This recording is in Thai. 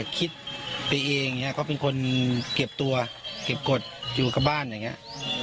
คิดไปเองอย่างนี้เขาเป็นคนเก็บตัวเก็บกฎอยู่กับบ้านอย่างนี้